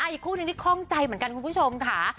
อีกคู่นึงที่คล่องใจเหมือนกันคุณผู้ชมค่ะ